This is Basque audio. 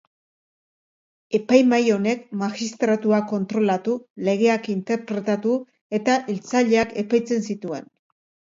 Epaimahai honek magistratuak kontrolatu, legeak interpretatu eta hiltzaileak epaitzen zituen.